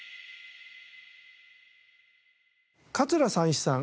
桂三枝さん